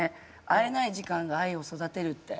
「会えない時間が愛を育てる」って。